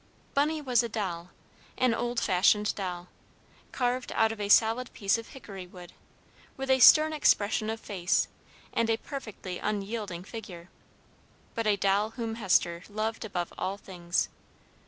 Bunny was a doll, an old fashioned doll, carved out of a solid piece of hickory wood, with a stern expression of face, and a perfectly unyielding figure; but a doll whom Hester loved above all things.